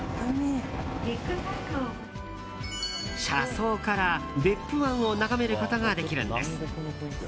車窓から別府湾を眺めることができるんです。